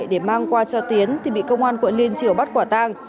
để mang qua cho tiến thì bị công an quận liên triều bắt quả tang